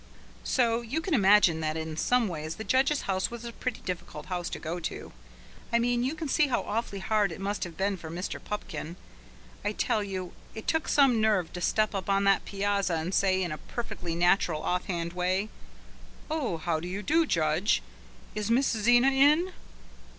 So you can imagine that in some ways the judge's house was a pretty difficult house to go to. I mean you can see how awfully hard it must have been for Mr. Pupkin. I tell you it took some nerve to step up on that piazza and say, in a perfectly natural, off hand way: "Oh, how do you do, judge? Is Miss Zena in?